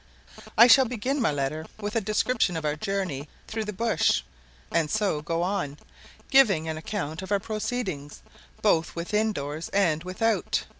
I SHALL begin my letter with a description of our journey through the bush, and so go on, giving an account of our proceedings both within doors and with out.